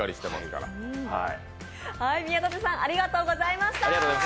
宮舘さん、ありがとうございました。